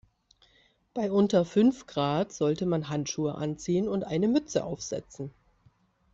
Bei unter fünf Grad sollte man Handschuhe anziehen und eine Mütze aufsetzen.